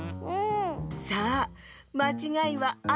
さあまちがいはあと１つ。